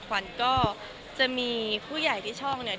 ขวัญก็จะมีผู้ใหญ่ที่ช่องเนี่ย